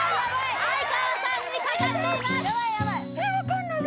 相川さんにかかっています